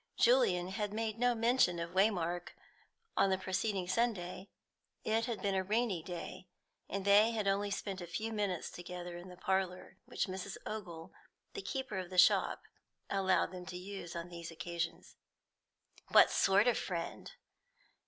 Julian had made no mention of Waymark on the preceding Sunday; it had been a rainy day, and they had only spent a few minutes together in the parlour which Mrs. Ogle, the keeper of the shop, allowed them to use on these occasions. "What sort of a friend?"